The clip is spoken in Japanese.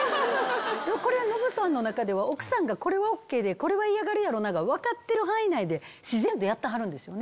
これはノブさんの中では奥さんが「これはＯＫでこれは嫌がるやろな」が分かってる範囲内で自然とやってはるんですよね。